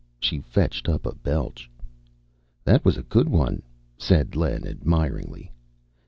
She fetched up a belch. "That was a good one," said Len admiringly.